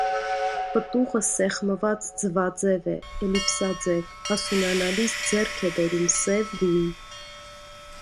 Պտուղը սեղմված ձվաձև է, էլիպսաձև, հասունանալիս ձեռք է բերում սև գույն։